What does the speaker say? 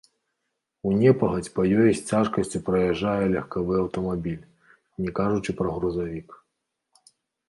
У непагадзь па ёй з цяжкасцю праязджае легкавы аўтамабіль, не кажучы пра грузавік.